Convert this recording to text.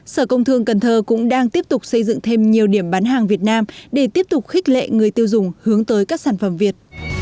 sở công thương cần thơ cũng đang tiếp tục xây dựng thêm nhiều điểm bán hàng việt nam để tiếp tục khích lệ người tiêu dùng hướng tới các sản phẩm việt